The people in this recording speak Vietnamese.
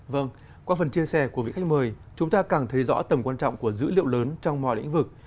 vâng qua phần chia sẻ của vị khách mời chúng ta càng thấy rõ tầm quan trọng của dữ liệu lớn trong mọi lĩnh vực